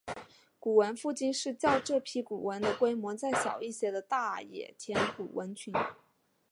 古坟附近是较这批古坟的规模再小一些的大野田古坟群。